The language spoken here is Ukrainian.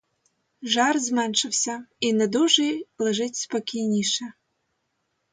Жар зменшився і недужий лежить спокійніше.